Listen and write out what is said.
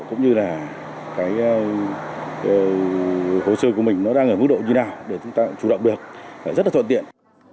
cũng như là hồ sơ của mình đang ở mức độ như thế nào để chúng ta chủ động được rất là thuận tiện